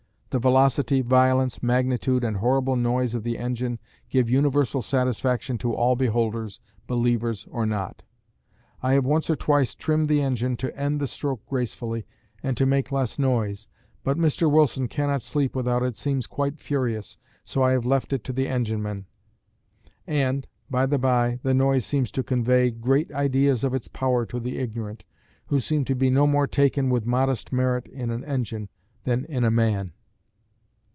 The velocity, violence, magnitude, and horrible noise of the engine give universal satisfaction to all beholders, believers or not. I have once or twice trimmed the engine to end the stroke gracefully and to make less noise, but Mr. Wilson cannot sleep without it seems quite furious, so I have left it to the enginemen; and, by the by, the noise seems to convey great ideas of its power to the ignorant, who seem to be no more taken with modest merit in an engine than in a man.